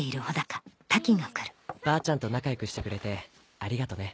ばあちゃんと仲良くしてくれてありがとね。